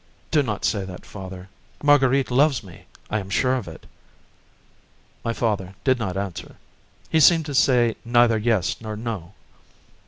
"Do not say that, father; Marguerite loves me, I am sure of it." My father did not answer; he seemed to say neither yes nor no.